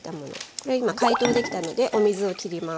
これ今解凍できたのでお水をきります。